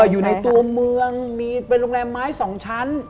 อยู่ในตัวเมืองมีเป็นโรงแรมไม้๒ชั้น